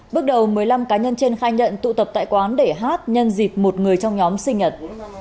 bước đầu một mươi năm cá nhân trên khai nhận tụ tập tại quán để hát nhân dịp một người trong nhóm sinh nhật